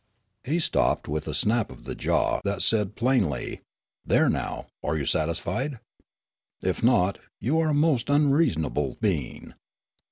He stopped with a snap of the jaw that said plainly: "There now; are you satisfied? If not, you are a most unreasonable being.